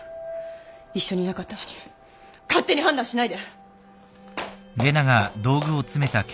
一緒にいなかったのに勝手に判断しないで！